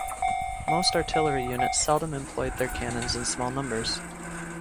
Most artillery units seldom employed their cannons in small numbers.